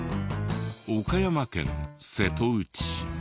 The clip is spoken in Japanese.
岡山県瀬戸内市。